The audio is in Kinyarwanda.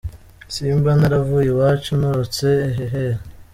Simba naravuye iwacu ntorotse ehh ehhh.